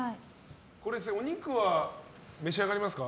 お肉は召し上がりますか？